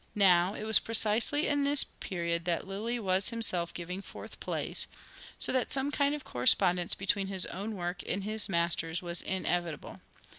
Now, it was precisely in this period that Lyly was himself giving forth plays ; so that some kind of correspondence between his own work and his master's was inevitable.